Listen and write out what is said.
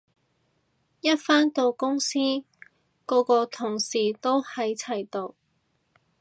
一返到公司個個同事喺齊度